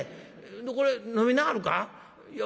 これ飲みなはるか？